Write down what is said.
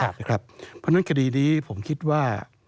เพราะฉะนั้นคดีนี้ผมคิดว่า